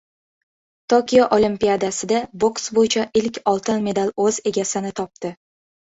Tokio Olimpiadasida boks bo‘yicha ilk oltin medal o‘z egasini topdi